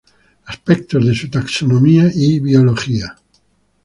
Aspectos de su taxonomía y biología".